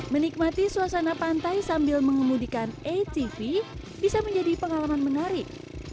menikmati suasana pantai sambil mengemudikan atv bisa menjadi pengalaman menarik